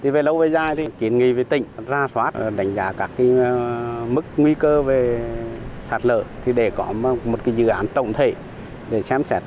về lâu về dài thì kiến nghị với tỉnh ra soát đánh giá các mức nguy cơ về sạt lở để có một dự án tổng thể để xem xét